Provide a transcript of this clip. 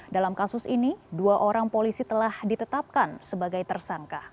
dalam kasus ini dua orang polisi telah ditetapkan sebagai tersangka